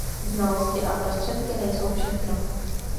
Znalosti a prostředky nejsou všechno.